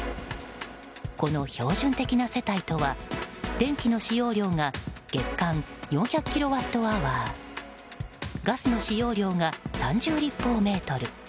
この標準的な世帯とは電気の使用量が月間４００キロワットアワーガスの使用量が３０立方メートル。